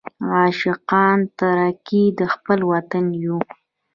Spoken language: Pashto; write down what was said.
عاشقان د ترقۍ د خپل وطن یو.